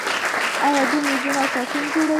آیا دوی میزونه او څوکۍ نه جوړوي؟